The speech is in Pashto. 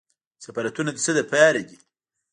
سفارتونه د څه لپاره دي؟